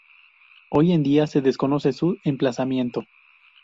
Hoy en día se desconoce su emplazamiento.